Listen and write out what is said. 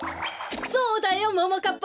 そうだよももかっぱ。